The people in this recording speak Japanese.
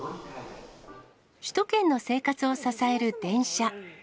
首都圏の生活を支える電車。